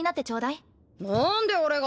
何で俺が？